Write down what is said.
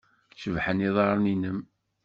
Cebḥen yiḍarren-nnem.